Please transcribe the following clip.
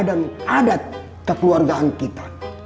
dan adat kekeluargaan kita